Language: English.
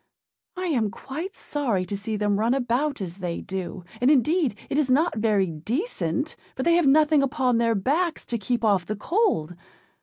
I am quite sorry to see them run about as they do; and indeed it is not very decent, for they have nothing upon their backs to keep off the cold.